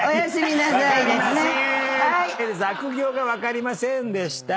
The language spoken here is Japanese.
「悪行」が分かりませんでした。